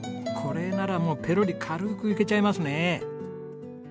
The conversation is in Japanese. これならもうペロリ軽くいけちゃいますね。